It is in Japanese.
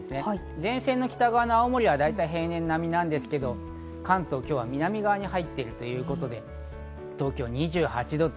前線の北側の青森はだいたい平年並みなんですが、関東、今日は南側に入っているということで東京、２８度。